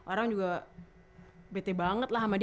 orang juga bete banget lah sama dia